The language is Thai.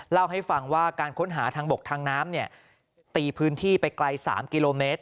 เล่าให้ฟังว่าการค้นหาทางบกทางน้ำตีพื้นที่ไปไกล๓กิโลเมตร